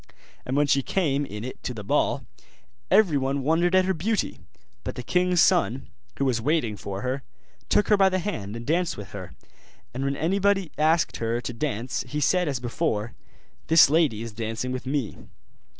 And when she came in it to the ball, everyone wondered at her beauty: but the king's son, who was waiting for her, took her by the hand, and danced with her; and when anyone asked her to dance, he said as before, 'This lady is dancing with me.